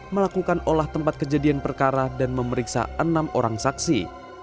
melakukan olah tempat kejadian perkara dan memeriksa enam orang saksi